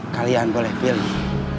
kalian boleh pilih